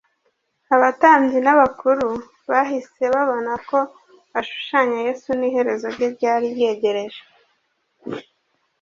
abatambyi n’abakuru bahise babona ko ashushanya yesu n’iherezo rye ryari ryegereje